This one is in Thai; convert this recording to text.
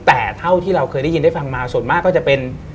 แต่เท่าที่เราเคยได้ยินได้ฟังมาส่วนมากก็จะเป็น